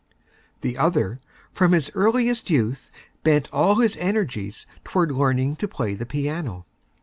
The Other, from his Earliest Youth, bent all his Energies toward Learning to play the Piano.